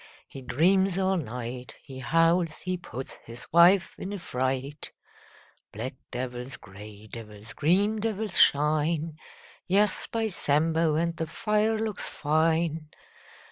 He dreams all night. He howls. He puts his wife in a fright. Black devils, grey devils, green devils shine — Yes, by Sambo, And the fire looks fine!